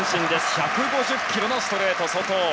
１５０キロのストレート、外。